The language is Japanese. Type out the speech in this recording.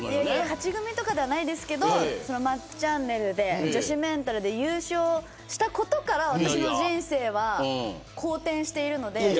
勝ち組とかではないですけどまっちゃんねるで女子メンタルで優勝したことから私の人生は好転しているので。